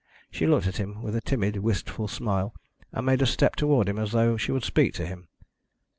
She looked at him with a timid, wistful smile, and made a step towards him, as though she would speak to him.